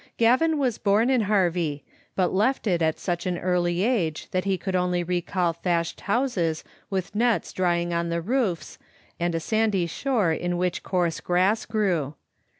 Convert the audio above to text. Gavin was bom in Harvie, but left it at such an early age that he could only recall thatched houses with nets dr3ring on the roofs, and a sandy shore in which coarse grass grew.